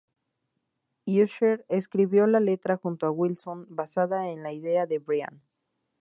Usher escribió la letra junto a Wilson, basada en la idea de Brian.